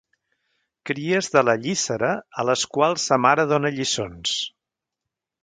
Cries de la llíssera a les quals sa mare dóna lliçons.